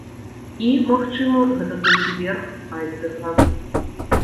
І, магчыма, гэта толькі верх айсберга.